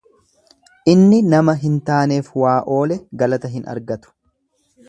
Inni nama hin taaneef waa oole galata hin argatu.